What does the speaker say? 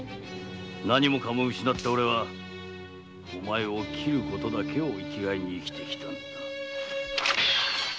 何もかも失ったオレはお前を斬る事だけを生きがいに生きてきたんだ。